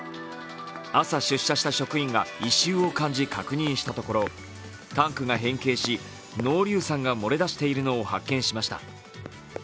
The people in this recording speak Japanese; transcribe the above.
朝、出社した職員が異臭を感じ確認したところタンクが変形し、濃硫酸が漏れ出しているのを発見しました。